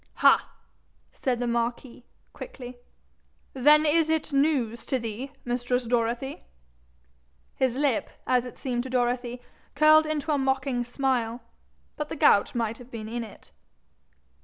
'Ha!' said the marquis, quickly; 'then is it news to thee, mistress Dorothy?' His lip, as it seemed to Dorothy, curled into a mocking smile; but the gout might have been in it.